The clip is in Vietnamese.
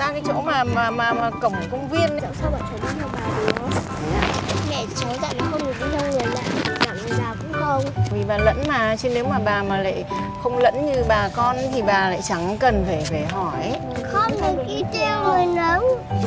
không lẫn như bà con thì bà lại chẳng cần phải hỏi